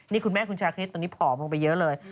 นี่คุณแม่คุณชาคริสตอนนี้ผอมลงไปเยอะเลย